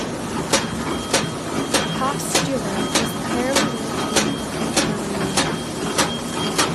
The postulator is Pierluigi Cameroni.